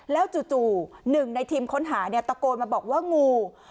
แล้วจู่หนึ่งในทีมค้นหาเนี่ยตะโกนมาบอกว่างู